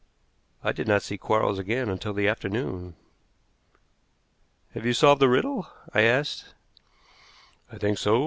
I did not see Quarles again until the afternoon. "Have you solved the riddle?" I asked. "I think so.